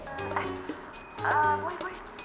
eh boleh boleh